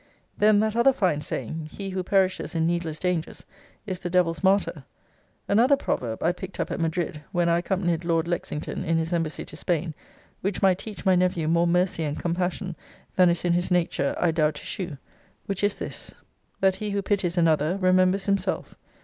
Then that other fine saying, He who perishes in needless dangers, is the Devil's martyr. Another proverb I picked up at Madrid, when I accompanied Lord Lexington in his embassy to Spain, which might teach my nephew more mercy and compassion than is in his nature I doubt to shew; which is this, That he who pities another, remembers himself.